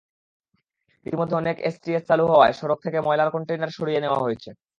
ইতিমধ্যে অনেক এসটিএস চালু হওয়ায় সড়ক থেকে ময়লার কনটেইনার সরিয়ে নেওয়া হয়েছে।